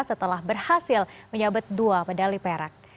setelah berhasil menyebut dua pedali perak